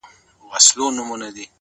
رب دي سپوږمۍ كه چي رڼا دي ووينمه؛